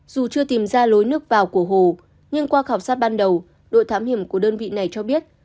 dù chưa tìm ra lối nước vào của hồ nhưng qua khảo sát ban đầu đội thám hiểm của đơn vị này cho biết